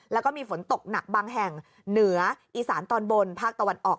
แล้วก็มีฝนตกหนักบางแห่งเหนืออีสานตอนบนภาคตะวันออก